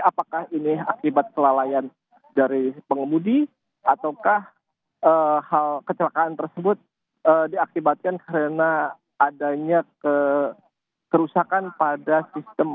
apakah ini akibat kelalaian dari pengemudi ataukah hal kecelakaan tersebut diakibatkan karena adanya kerusakan pada sistem